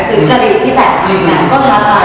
คือจริงที่แบ่งกันก็ท้าทาย